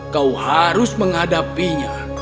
kau harus menghadapinya